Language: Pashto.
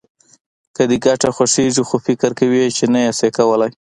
که دې ګټه خوښېږي خو فکر کوې چې نه يې شې کولای.